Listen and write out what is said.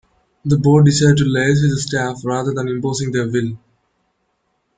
The board decided to liaise with the staff rather than imposing their will.